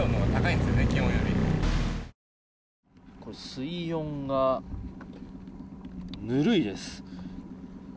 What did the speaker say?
水温がぬるいです。